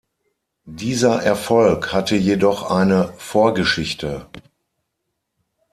Dieser Erfolg hatte jedoch eine Vorgeschichte.